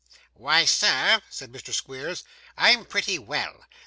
'Why, sir,' said Mr. Squeers, 'I'm pretty well.